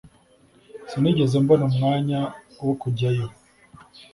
sinigeze mbona umwanya wo kujyayo